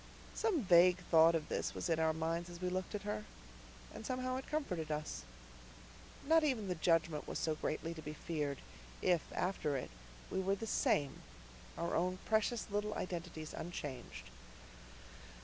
Some vague thought of this was in our minds as we looked at her; and somehow it comforted us. Not even the Judgment was so greatly to be feared if after it we were the SAME, our own precious little identities unchanged.